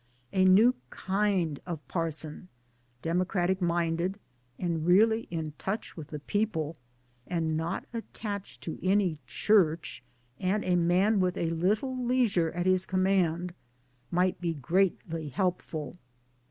A new kind of parson, democratic minded and really in touch with the people, and not attached to any * church,' and a man with a little leisure at his command, might be greatly helpful.